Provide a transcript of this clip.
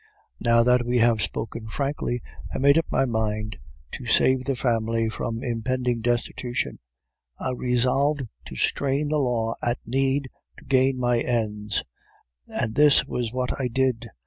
"Now that we had spoken frankly, I made up my mind to save the family from impending destitution. I resolved to strain the law at need to gain my ends, and this was what I did.